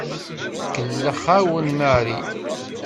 Tkellex-awen Mary.